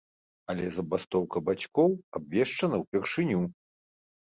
Але забастоўка бацькоў абвешчана ўпершыню.